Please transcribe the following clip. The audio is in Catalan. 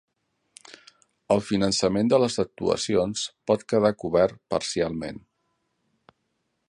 El finançament de les actuacions pot quedar cobert parcialment.